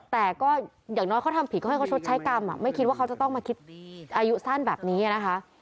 แต่ก็อย่างน้อยเขาทำผิดก็ให้เขาชดใช้กรรมไม่คิดว่าเขาจะต้องมาคิดอายุสั้นแบบนี้นะคะ